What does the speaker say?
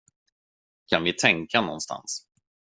Kan vi tänka någonstans?